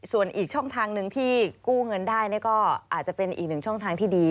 ส่วนอีกช่องทางหนึ่งที่กู้เงินได้ก็อาจจะเป็นอีกหนึ่งช่องทางที่ดี